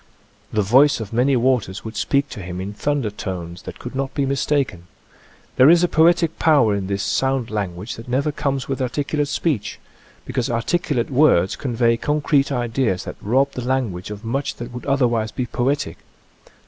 The " voice of many waters " would speak to him in thunder tones that could not be mistaken. There is a poetic power in this sound language that never comes with articulate speech, because articulate words convey concrete ideas that rob the lan guage of much that would otherwise be poetic.